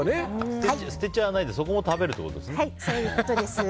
捨てちゃわないでそこも食べるということですね。